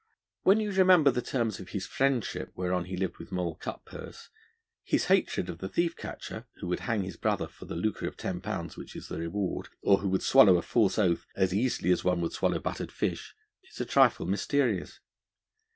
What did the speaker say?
When you remember the terms of friendship whereon he lived with Moll Cutpurse, his hatred of the thief catcher, who would hang his brother for 'the lucre of ten pounds, which is the reward,' or who would swallow a false oath 'as easily as one would swallow buttered fish,' is a trifle mysterious.